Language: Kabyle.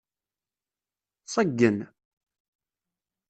Ṣeggen.